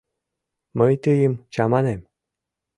Мый тыйым чаманем...